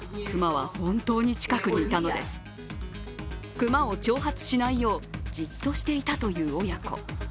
熊を挑発しないよう、じっとしていたという親子。